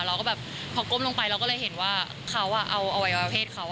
เราก็แบบพอก้มลงไปเราก็เลยเห็นว่าเขาเอาอวัยวะเพศเขา